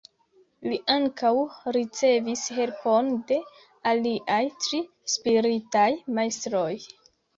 Li ankaŭ ricevis helpon de aliaj tri spiritaj majstroj.